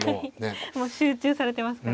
もう集中されてますからね。